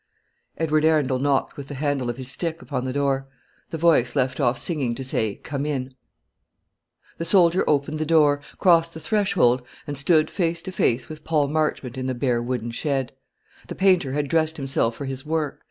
Edward Arundel knocked with the handle of his stick upon the door. The voice left off singing, to say "Come in." The soldier opened the door, crossed the threshold, and stood face to face with Paul Marchmont in the bare wooden shed. The painter had dressed himself for his work.